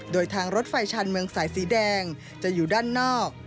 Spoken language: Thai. โดยทางรถไฟชาญเมืองสายสีแดงจะอยู่ด้านนอก